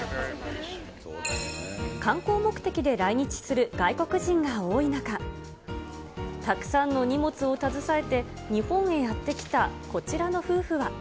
観光目的で来日する外国人が多い中、たくさんの荷物を携えて日本へやってきたこちらの夫婦は。